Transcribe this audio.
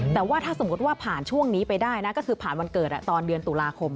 แต่ว่าถ้าสมมุติว่าผ่านช่วงนี้ไปได้นะก็คือผ่านวันเกิดตอนเดือนตุลาคม